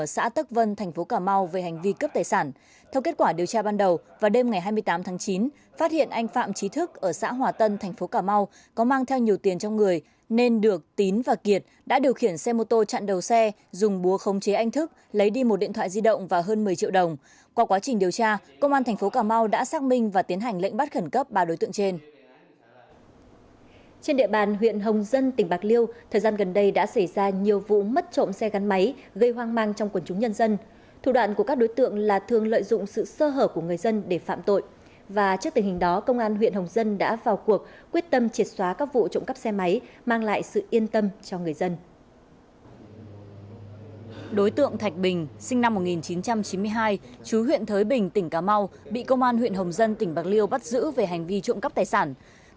xã vĩnh lộc a huyện hồng dân tỉnh bạc liêu từng có năm tiền án về tội trộm cấp tài sản